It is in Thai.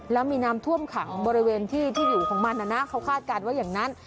แล้วมีน้ำท่วมขังบริเวณที่ที่อยู่ของมันนะเขาคาดการณ์ว่าอย่างนั้น